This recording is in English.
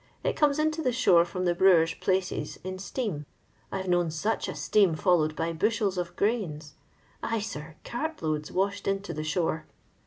It comes into the shore froa the brewers' places in steam. I *vc known luch a steam followed by bushels of grains ; ay, sir, cart loads washed into the shore.